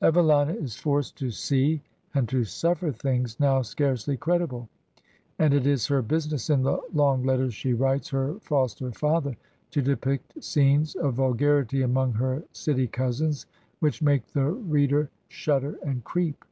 Evelina is forced to see and to suflFer things now scarcely credible, and it is her business in the long letters she writes her foster father to depict scenes of vulgarity among her city cousins which make the read er shudder and creep.